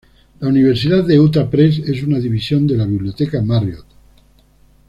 La Universidad de Utah Press es una división de la Biblioteca Marriott.